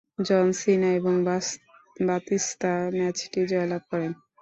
জন Cena এবং Batista ম্যাচটি জয়লাভ করেন।